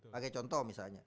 pake contoh misalnya